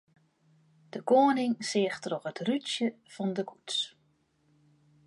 De koaning seach troch it rútsje fan de koets.